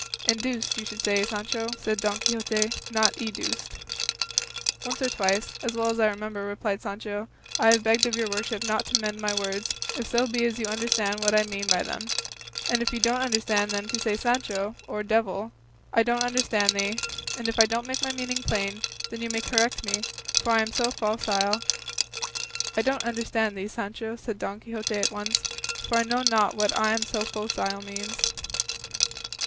"Induced, you should say, Sancho," said Don Quixote; "not educed." "Once or twice, as well as I remember," replied Sancho, "I have begged of your worship not to mend my words, if so be as you understand what I mean by them; and if you don't understand them to say 'Sancho,' or 'devil,' 'I don't understand thee; and if I don't make my meaning plain, then you may correct me, for I am so focile " "I don't understand thee, Sancho," said Don Quixote at once; "for I know not what 'I am so focile' means."